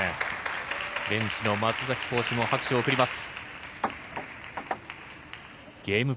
ベンチのコーチも拍手を送ります。